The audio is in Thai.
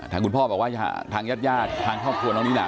ทางคุณพ่อบอกว่าทางญาติยาติทางครอบครัวน้องนี้นะ